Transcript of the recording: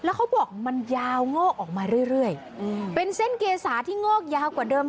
เขาบอกมันยาวงอกออกมาเรื่อยเป็นเส้นเกษาที่งอกยาวกว่าเดิม